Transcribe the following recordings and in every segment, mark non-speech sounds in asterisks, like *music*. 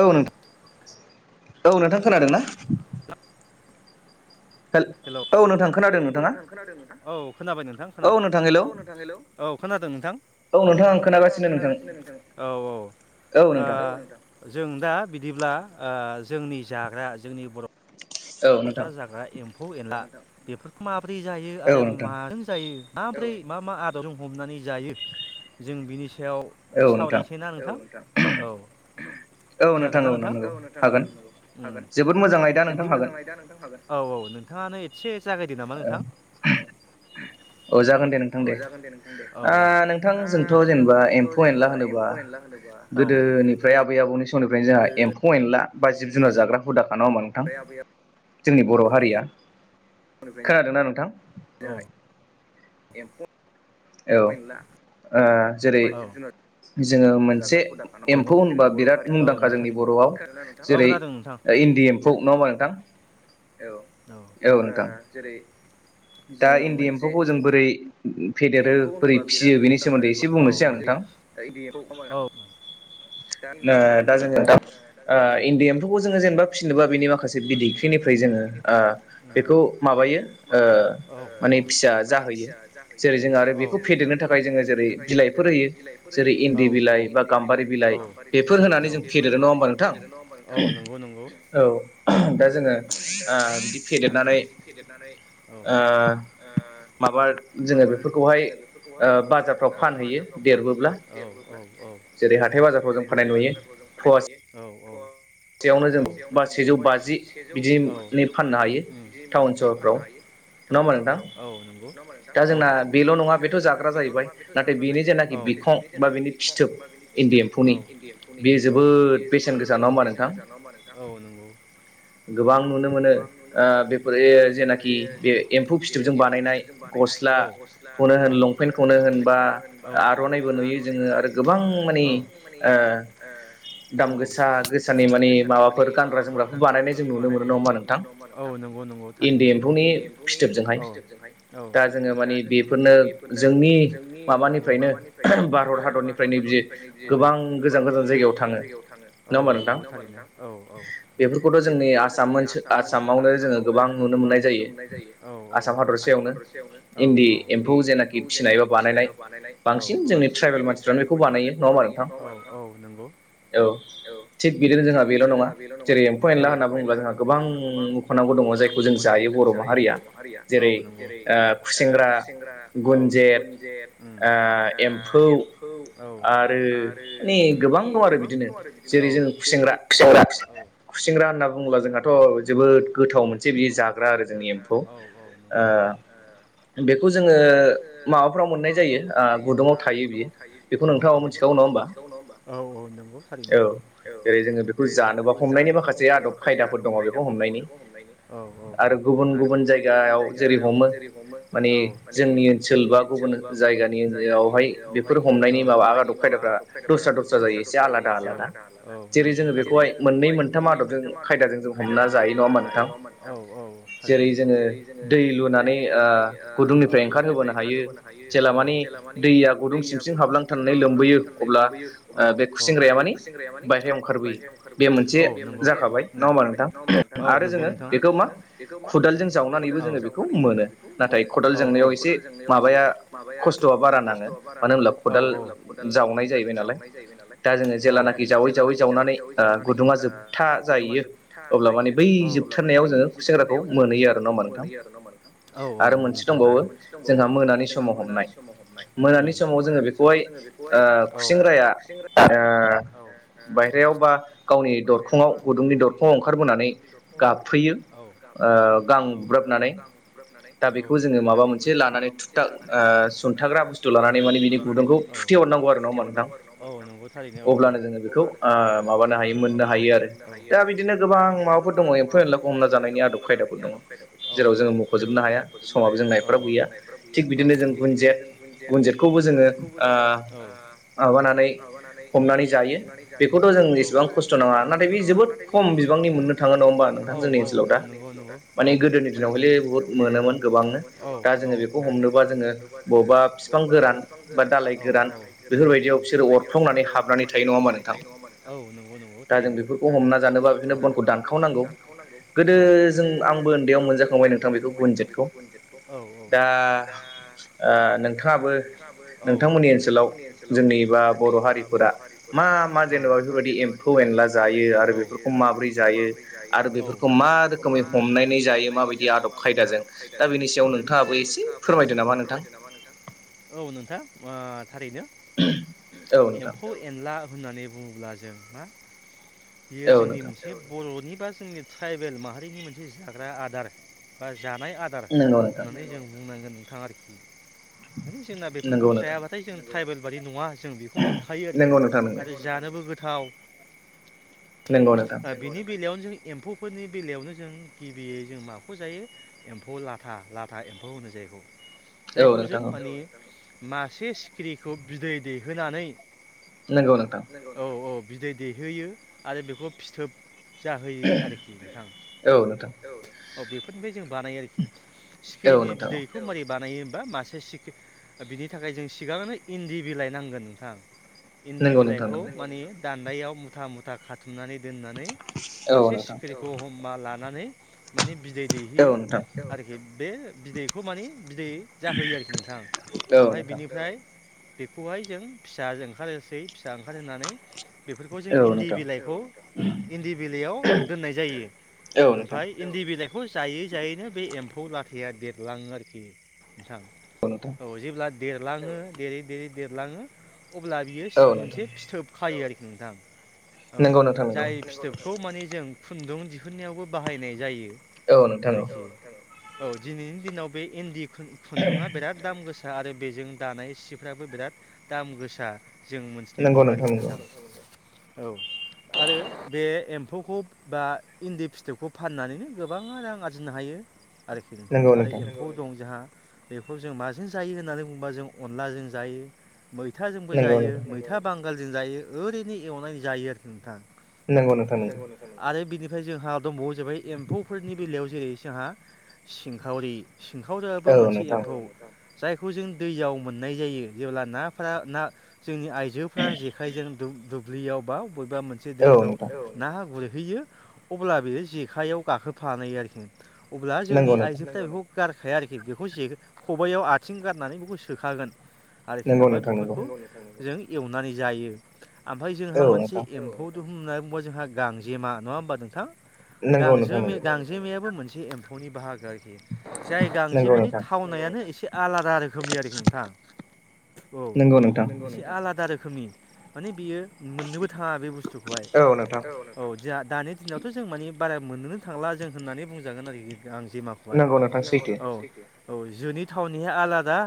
औ नो औ नोंथां खोनादों ना हेल' औ नोंथां खोनादों नोंथां औ खोनाबाय नोंथां खोनाबाय औ नोंथां हेल औ खो नादों नोंथां औ नोंथां आं खोनागासिनो नोंथां औ औ ओ जों दा बिदिब्ला जोंनि जाग्रा जोंनि बर' बर'फ्रा जाग्रा एम्फौ एनला बेफोरखौ माबोरै जायो आरो माजों जायो माब्रै मा मा आदबजों हमनानै जायो जों बिनि सायाव सावरायसै ना नोंथां औ औ नोंथां औ नोंगौ हागोन जोबोद मोजां आयदा नोंथां हागोन औ औ नोंथाङानो एसे जागायदो नामा नोंथां औ जागोन दे नोंथां दे ओ नोंथां जोंथ' जेनेबा एम्फौ एनला होनोबा गोदोनिफ्राय आबै आबौनि समनिफ्रायनो जोंहा एम्फौ एनला बा जिब जुनार जाग्रा हुदाखा नङा‌ होमबा बै आब जोंनि बर' हारिया खोनादों ना नोंथां नै एम्फौ औ ओ बायदि औ जोङो मोनसे एम्फौ होनबा बिराद मुंदांखा जोंनि बर'आव जेरै ओ इन न्दि एम्फौ नङा होमबा नोंथां औ औ ओ जेरै दा इन्दि एम्फौखौ जों बोरै एम्फौ होनबा बिराद मुंदांखा जोंखौ *unintelligible* ओ दा जोङो ओ इन्दि एम्फौखौ जोङो जेनेबा फिसिनोबा बिनि माखासे बिदैख्रिनिफ्राय जों ओ ओ बेखौ माबायो ओ माने फिसा जाहोयो जेरै जों जों आरो बेखौ फेदेरनो थाखाय जोङो जेरै बिलाइफोर होयो जेरै इन्दि बिलाइ बा गाम्बारि बिलाइ बिलाइ औ बेखौ होनानै जों फेदेर नङा होनब औ नंगौ नंगौ औ जोङो ओ फेदेरनानै औ माबा जोङो बेफोरखौ जोङो बेफोरखौहाय ओ बाजारफ्राव फानहैयो औ औ औ जेरै हाथाय बाजारफ्राव जों फाननाय नुयो औ औ औ सेरसेयावनो जों बेखौहाय सेजौ औ सेजौ बाजि उम जिनै फाननो हायो टाउन सहरफ्राव औ नंगौ नङा होमबा नोंथां औ दा जोंना बेल' नङा बेथ' जाग्रा जाहैबाय औ नाथाय बेनि जेनाखि बिखं बा बेनि फिथोब इन्दि एम्फौनि बेयो जोबोद बेसेन गोसा नङा होनबा नों औ‌ नोंगौ गोबां नुनो मोनो ओ बेफोर जेनाखि बे एम्फौ फिथोबजों बानायनाय ग नाय औ गस्ला औ खौनो होन लंपेन्टखौनो होन बा औ आर'नाइबो नुयो जोङो आरो औ गोबां माने ओ दाम गोसा गोस गोसा गोसानि माने माबाफोर गानग्रा जोमग्रा बानायनाय जों नुनो मोनो नङा होमबा नोंथां औ नंगौ नंगौ थारैनो एन्दि एम्फौनि औ फिथोबजोंहाय औ दा जोङो माने बेफोरनो जोंनि ओ माबानिफ्रायनो भारत हादरनिफ्रायनो जि ओ गोबां गोजान गोजान जायगायाव थाङो औ नंगौ थारैनो औ औ बेफोरखौथ' जोंनि आसाम ओनसोल आसामावनो जोङो गोबां नुनो मोननाय जायो आसाम हादरसे आसाम हादरसेयावनो औ औ एन्दि एम्फौ जेनाखि फिसिनाय बा बानायनाय औ औ बांसिन जोंनि ट्राइबेल मानसिफ्रानो बेखौ बानायो नङा औ औ नंगौ औ थिग बिदिनो जोंहा बेल' नङा जेरै एम्फौ एनला होनना बुङोब्ला जोंहा गोबां मुख'नांगौ दङ जायखौ जों जायो जायो बर' माहारिया औ नंगौ जेरै खुसेेंग्रा औ गुन्जेत उम ओ एम्फौ औ आरो गोबां दं आरो बिदिनो औ खुसिंग्रा खुसिंग्रा होनना बुंब्ला जोंहाथ' जोबोद गोथाव मोनसे बि जाग्रा आरो जोंनि एम्फौ बेखौ जोङो माबाफ्राव मोननाय जायो आ गुदुंडाव थायो बियो बेखौ नोंथाङाबो मोनथिखागो नङा औ नंगौ थारैनो जेरै जोङो बेखौ जानोबा हमनायनि माखासे आदब माखासे आदब खायदाफोर दङ बेखौ हमनायनि औ आरो गुबुन गुबुन जायगायाव जेरै हमो माने जोंनि ओनसोल बा गुबुन जायगानिवावहाय बेफोर हमनायनि माबा आदब खायदा दंखायो दस्रा दस्रा जायो एसे आलादा आलादा जेरै जोङो बेखौहाय मोननै मोनथाम आदबजों जों खायदा खायदाजों जों हमना जायो नङा होमबा नोंथां औ औ जेरै जोङो दै लुनानै गुदुंनिफ्राय ओंखार होबोनो हायो जेला मानिे दैया गुदुं सिमसिं हाबलांथारनानै लोमबोयो लोमबोयो बे खुसिंग्राया माने बायह्रायाव ओंखारबोयो बे मोनसे जाखाबाय नङा होमबा नोंथां आरो जोङो बेखौ मा खदालजों जावनानैबो जोङो बेखौ मोनो नाथाय खदाल जोंनायाव एसे माबाया खस्थ' बारा नाङो मानो होनब्ला खदाल जाव नाय जाहैबाय नालाय दा जोङो जेलानखि जावै जावै जावनानै ओ गुुदुङा जोबथा गुदुङा जोबथा जायो अब्ला माने बै जोबथारनायाव जोङो खुसेंग्राखौ मोनहैयो आरो ना होमबा नोंथां अह नंगौ नोंथां आरो मोनसे दंबावो जोंहा मोनानि समाव हमनाय मोनानि समाव जोङो बेखौ औ ओ खुसेंग्रा औ बाहेरायाव बा गावनि दरखङाव गुदुं गावनि दरखंआव गुदुंनि दरखङाव ओंखारबोनानै गाबफैयो गां बुब्राबनानै दा बेखौ जोङो माबा मोनसे लानानै थुपथा सुनथाग्रा बुस्थु लानानै माने बिनि गुदुंखौ थुथे औ हरनांगौ नंगौ थारैनो औ औ बेखौ माबानो हायो मोननो हायो आरो हायो आरो दा बिदिनो गोबां माबाफोर दङ एम्फौ एनलाखौ हमना जानायनि आदब खायदाफोर दङ औ जेराव हाया समाबो जोंना एफाग्राब गैया थिग बिदिनो जों गुनजेत गुनजेतखौबो जोङो औ माबानानै हमनानै जायो बेखौथ' जों जेसेबां खस्थ' नङा नाथाय ना नाथाय बे जोबोद खम बिबांनि मोननो थाङो औ औ नंगौ औ माने गोदोनि दिनाव मोनोमोन गोबांनो दा जोङो बेखौ हमनोबा जोङो बबेबा बिफां गोरान बा दालाय गो गोरान बेफोरबायदियाव बिसोर अरफ्लंनानै हाबनानै थायो नङा होमबा औ नोंथां नंगौ नंगौ थारैनो दा जों बेखौ हमना जानोबा बेखायनो बनखौ दानखावनांगौ गोदो जों आंबो उन्दैयाव मोनजाखांबाय गुनजेतखौ औ औ दा नोंथाङाबो औ जोंनिबा बर' हारिफोरा मा मा जेनेबा बेफोरबायदि एम्फौ एनला जा जायो आरो बेफोरखौ माब्रै जायो आरो बेफोरखौ मा रोखोमै हमनानै जायो माबायदि आदब माबायदि आदब खायदाजों दा बेनि सायाव नोंथाङाबो एसे फोरमायदो नामा नोंथां औ नोंथां ओ थारैनो एम्फौ एनला होननानै बुङोब्ला जों मा बियो जोंनि मोनसे बर'नि बा जोंनि ट्राइबेल माहारिनि मोनसे जाग्रा आदार बा जानाय आदार होननानै जों बुंनांगोन नोंथाङा आरोखि माने जोंना बेफोरखौ जायाबाथाय जों ट्राइबेल बादि नङा आरो जों बेखौ मोनखायो आरोखि आरो जानोबो गोथाव आरो बिनि बेलायावनो जों एम्फौफोरनि बेलायावनो जों गिबियै जों माखौ जायो एम्फौ लाथा लाथा एम्फौ होनो जायखौ जायखौ जों माने मासे सिखिरिखौ बिदै दैहोनानै नंगौ नोंथां औ औ बिदै दैहोयो आरो बेखौ फिथोब जाहोयो आरोखि नोंथां औ औ बेफोरनि बे जों बानायो आरोखि सिखिरिनि बिदैखौ मारै बानायो बा मासे बिनि थाखाय जों सिगाङनो इन्दि बिलाइ नांगोन नोंथां इन्दि बिलाइखौ माने दान्दायाव मुथा मुथा खाथुमनानै दोननानै मासे सिखिरिखौ मा लानानै माने बिदै दैहैयो आरोखि बे बिदैखौ माने बिदै जाहोयो आरोखि नोंथां ओमफ्राय बिनिफ्राय बेखौहाय जों फिसाजों ओंखारनोसै फिसा ओंखारहोनानै बेफोरखौ इन्दि बिलाइखौ इन्दि बिलाइयाव दोननाय जायो ओमफ्राय इन्दि बिलाइखौ खौ जायै जायैनो बे एम्फौ लाथा देरलाङो आरोखि नोंथां औ जेब्ला देरलाङो देरै देरै देरलाङो अब्ला बियो मोनसे फिथोब खायो आरोखि नोंथां औ जाय फिथोबखौ नोंगौ नोंथां माने जों खुन्दुं दिहुननायावबो बाहायनाय जायो। आरोखि औ नोंथां औ औ दिनैनि दिनाव बे इन्दि खुन्दुङा बिराद दाम गोसा आरो बेजों दानाय सिफ्राबो बिराद दाम गोसा जों मोनथिनो मोनो आरोखि नोंथां नोंगौ नोंथां नोंगौ औ आरो बे एम्फौखौ बा इन्दि फिथोबखौ फाननानैनो गोबां रां आरजिनो हायो। आरोखि नोंथां आरो एम्फौ नोंगौ नोंगौ दं जोंहा बेखौ जों माजों जायो होननानै बुंङोबा जों अनलाजों जायो मैथाजोंबो जायो मैथा बांगालजों जायो ओरैनो एवनानै जायो आरोखि नोंथां नोंगौ नोंथां नंगौ आरो बिनि- फ्राय जोंहा दंबावो जाबाय एम्फौफोरनि बेलायाव जेरै जोंहा सिंखावरि सिंखावरिबो मोनसे एम्फौ औ नोंथां जायखौ जों दैयाव मोननाय जायो जेब्ला नाफोरा ना जोंनि आइजोफ्रा जेखाइजों दु दुब्लियाव बा बबेबा मोनसे दैफ्राव औ नोंथां ना गुरो हैयो अब्ला बेयो जेखायाव गाखोफानाय आरोखि अब्ला जोंनि आइजोफ्रा नोंगौ बेखौ गारखाया आरोखि बेखौ जे खबाइआव आथिं गारनानै बेखौ सोखागोन आरोखि आमफाय बेफोरखौ नोंगौ नोंथां नंगौ जों एवनानै जायो। आमफाय जोंहा मोनसे एम्फौ औ नोंथां दुं होननानै बुंङोबा जोंहा गांजेमा नङा होमबा नोंथां गांजो गांजेमायाबो मोनसे एम्फौनि बाहागो आरोखि जाय गांजेमानि थावनायानो नंगौ नोंथां एसे आलादा रोखोमनि आरोखि नोंथां औ नोंगौ नोंथां एसे आलादा रोखोमनि माने बियो मोननोबो थाङा बे बुस्थु- खौहाय औ नोंथांं जेहा दानि दिनावथ' जों मानि बारा मोननोनो थांला जों होननानै बुंजागोन आरोखि गांजेमाखौहाय नंगौ नोंथां औ सैथो औ जोनि थावनिया आलादा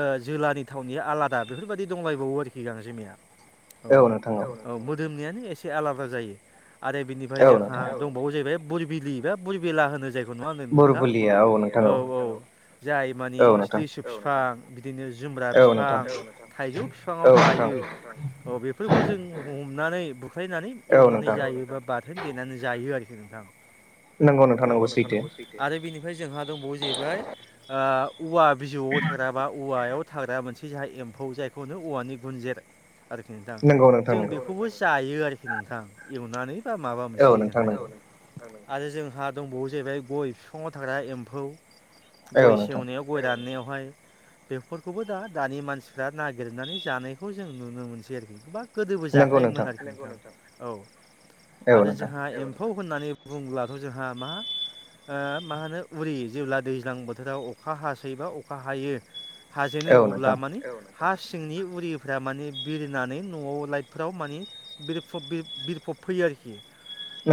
ओ जोलानि थावनिया आलादा बेफोरबादि दंलायबावो आरोखि गांजे- निया औ औ मोदोमनियानो एसे आलादा जायो आरो बिनिफाय जोंहा दंबावो जाहैबाय बुरबिलि बा बुरबिला होनो जाय- खौ नङा होनदो नोंथां बुरबुलि औ औ जाय मानि लिसु फिफां बिदिनो जुमब्रा फिफां औ नोंथां थाइजौ बिफाङाव बायो औ नोंथां बेफोरखौ जों हमनानै बुख्रायनानै एवनानै औ नोंथां जायो बा बाथोन देनानै जायो आरोखि नोंथां नोंगौ नोंथा नोंगौ सैथो ओमफ्राय जोंहा दंबावो जाहैबाय ओ औवा बिजौआव थाग्रा बा औवायाव थाग्रा मोनसे जा एम्फौ जायखौ औवानि गुनजेर आरोखि नोंथां नोंगौ नोंगौ जों बेखौबो जायो आरोखि नोंथां एवनानै माबा मोनसे जोंहाय औ नोंथां नंगौ आरो जोंहा दंबावो जाहैबाय गय बिफाङाव थाग्रा एम्फौ गय सेवनायाव गय राननायाव हाय बेफोरखौबो दा दानि मानसिफ्रा नागिरनानै जानायखौ जों नुनो मोनसै। आरोखि बा गोदोबो जाखायोमोन आरोखि नोंगौ नोंथां औ आरो जोंहा एम्फौ होननानै बुंङोब्लाथ' जोंहा मा ओ मा होनो उरि जेब्ला दैज्लां बोथोराव अखा हासै बा अखा हायो हाजेनो अब्ला माने औ नोंथां हा सिंनि उरिफ्रा माने बिरनानै न'आव लाइटफोराव मानि बिरफब बिरफब फैयो आरोखि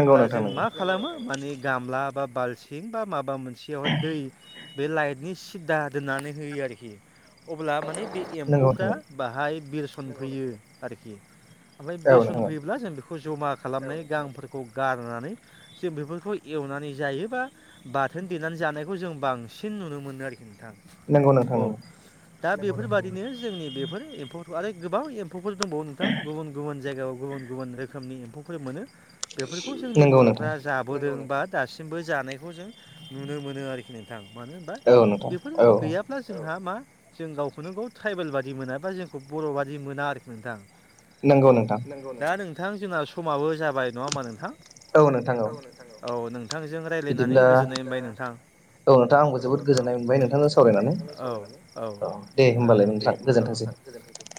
अब्ला जों मा खालामो औ नोंथां माने गामला बा बालथिं बा माबा बा मोनसेयावहाय दै बे लाइटनि सिदा दोननानै होयो आरोखि अब्ला माने बे एम्फौफ्रा बाहाय बिरसनफैयो नोंगौ नोंथां आरोखि। ओमफ्राय बिरसन फैयोब्ला जों बेखौ जमा। खालामनानै औ नोंथां गांफोरखौ गारनानै जों बेफोरखौ एवनानै जायो बा बाथोन देनानै। जानायखौ जों बांसिन नुनो मोनो आरोखि नोंथां। नोंगौ नोंथां नोंगौ। दा नंगौ नंगौ बेफोरबादिनो जोंनि बेफोर एम्फौ आरो गोबां एम्फौफोर दंबावो नोंथां गुबुन गुबुन जायगायाव गुबुन गुबुन रोखोमनि एम्फौफोर मोनो बेफोरखौ जोंनि बर'फ्रा जाबोदों बा दासिमबो जानायखौ जों नुनो मोनो आरोखि नोंथां। मानो होनबा बेफोर गैयाब्ला जोंहा मा जों गावखौनो गाव ट्राइबेल बादि मोना बा जोंखौ बर' बादि मोना आरोखि नोंथां औ नगौ दा नोंथां जोंना समाबो जाबाय नङा होमबा नोंथां। औ नोंथां औ नोंथांजों रायज्लायनानै गोजोननाय मोनबाय नोंथां। औ नोंथां आंखौ जोबोद गोजोननाय मोनबाय नोंथां औ औ औ दे होनबाल गोजोनथोंसै